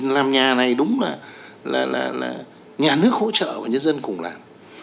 làm nhà này đúng là nhà nước hỗ trợ và nhân dân cùng làm